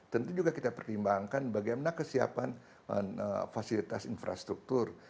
tentu juga kita pertimbangkan bagaimana kesiapan fasilitas infrastruktur